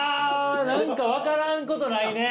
何か分からんことないね！